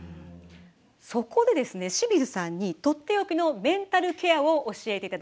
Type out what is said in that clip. そこでですね清水さんにとっておきのメンタルケアを教えていただきます。